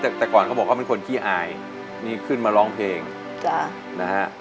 แต่แต่ก่อนเขาบอกเขาเป็นคนขี้อายนี่ขึ้นมาร้องเพลงจ้ะนะฮะ